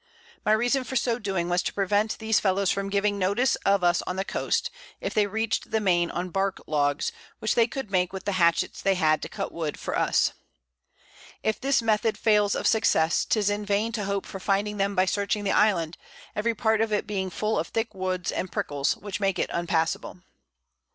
My Reason for so doing was to prevent these Fellows from giving notice of us on the Coast, if they reach'd the Main on Bark Logs, which they could make with the Hatchets they had to cut Wood for us. If this Method fails of Success, 'tis in vain to hope for finding them by searching the Island, every part of it being full of thick Woods and Prickles, which make it unpassable.